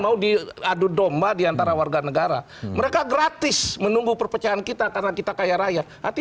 mau diadu domba diantara warga negara mereka gratis menunggu perpecahan kita karena kita kaya raya hati